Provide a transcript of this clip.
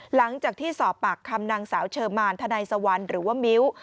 หลังจากที่สอบปากคำนางสาวเชอมานธนัยสวรรค์หรือว่ามิ้ว